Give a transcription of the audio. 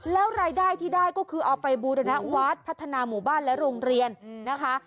แล้วรายได้ที่ได้ก็คือเอาไปบูรณวัฒน์พัฒนาหมู่บ้านและโรงเรียนนะคะ